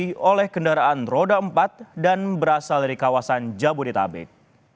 kedaraan yang melalui pelabuhan merak didominasi oleh kendaraan roda empat dan berasal dari kawasan jabodetabek